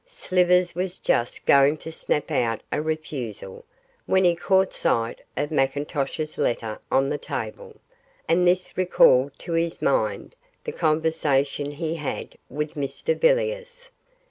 Slivers was just going to snap out a refusal, when he caught sight of McIntosh's letter on the table, and this recalled to his mind the conversation he had with Mr Villiers.